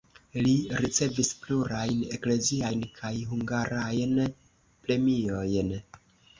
Li ricevis plurajn ekleziajn kaj hungarajn premiojn.